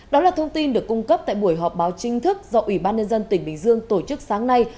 đó là thông tin được cung cấp tại buổi họp báo chính thức do ủy ban nhân dân tỉnh bình dương tổ chức sáng nay